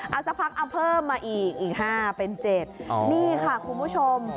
เอาสักพักเอาเพิ่มมาอีกอีก๕เป็น๗นี่ค่ะคุณผู้ชม